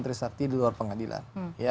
trisakti di luar pengadilan